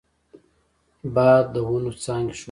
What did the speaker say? باد د ونو څانګې ښوروي